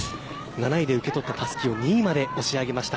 ７位で受け取ったたすきを２位まで押し上げました。